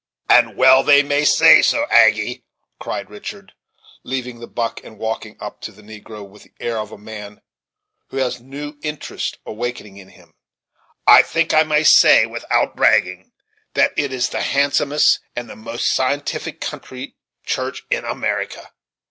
"And well they may say so, Aggy," cried Richard, leaving the buck and walking up to the negro with the air of a man who has new interest awakened within him, "I think I may say, without bragging, that it is the handsomest and the most scientific country church in America.